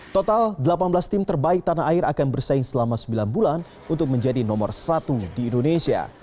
total delapan belas tim terbaik tanah air akan bersaing selama sembilan bulan untuk menjadi nomor satu di indonesia